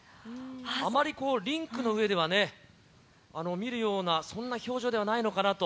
あまりリンクの上では、見るような、そんな表情ではないのかなと。